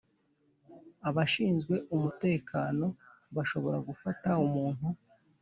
Abashinzwe umutekano bashobora gufata umuntu